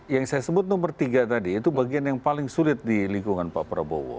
yang saya sebut nomor tiga tadi itu bagian yang paling sulit di lingkungan pak prabowo